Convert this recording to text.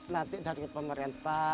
nanti dari pemerintah